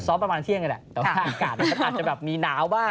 ซ้อมประมาณเที่ยงก็ได้แต่ว่าอากาศอาจจะแบบมีหนาวบ้าง